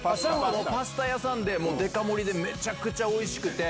パスタ屋さんででか盛りでめちゃくちゃおいしくて。